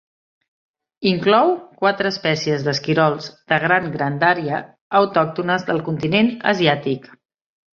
Inclou quatre espècies d'esquirols de gran grandària autòctones del continent asiàtic.